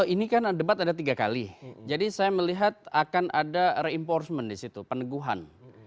ini kan debat ada tiga kali jadi saya melihat akan ada reinforcement di situ peneguhan